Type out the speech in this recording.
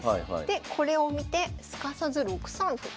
でこれを見てすかさず６三歩。